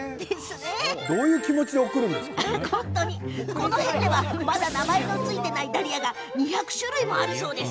この園ではまだ名前の付いていないダリアが２００種類もあるそうです。